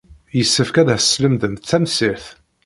Yessefk ad as-teslemdemt tamsirt.